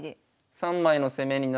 ３枚の攻めにな。